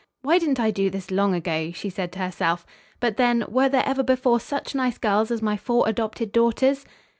"Why didn't I do this long ago?" she said to herself. "But then, were there ever before such nice girls as my four adopted daughters?"